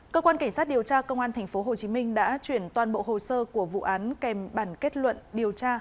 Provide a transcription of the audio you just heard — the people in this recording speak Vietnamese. cơ quan cảnh sát điều tra công an tp hcm đã chuyển toàn bộ hồ sơ của vụ án kèm bản kết luận điều tra